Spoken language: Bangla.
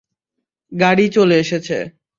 গাড়ি চলে এসেছে।